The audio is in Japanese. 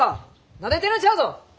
なでてるんちゃうぞ！